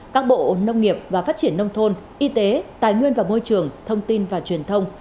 các bộ nông nghiệp và phát triển nông thôn y tế tài nguyên và môi trường thông tin và truyền thông